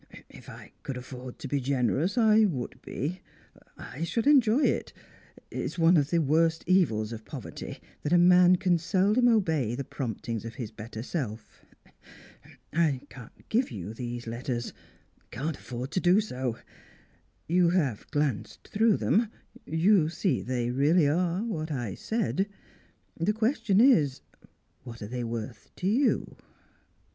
"If I could afford to be generous, I would be; I should enjoy it. It's one of the worst evils of poverty, that a man can seldom obey the promptings of his better self. I can't give you these letters; can't afford to do so. You have glanced through them; you see they really are what I said. The question is, what are they worth to you?"